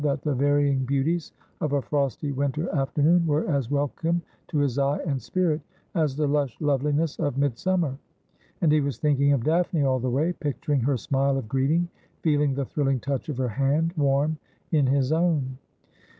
231 that the varying beauties of a frosty winter afternoon were as welcome to his eye and spirit as the lush loveliness of midsum mer ; and he was thinking of Daphne all the way, picturing her smile of greeting, feeling the thrilling touch pf her hand, warm in his own.